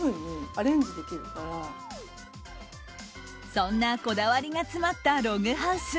そんなこだわりが詰まったログハウス。